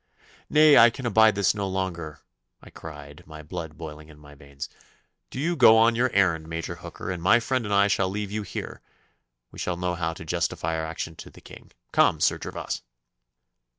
'Nay, I can abide this no longer,' I cried, my blood boiling in my veins; 'do you go on your errand, Major Hooker, and my friend and I shall leave you here. We shall know how to justify our action to the King. Come, Sir Gervas!